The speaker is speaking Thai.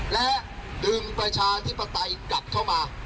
และดึงประชาธิปไตยกลับเข้ามา